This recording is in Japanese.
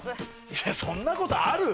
いやそんなことある？